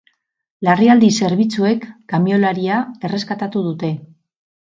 Larrialdi zerbitzuek kamioilaria erreskatatu dute.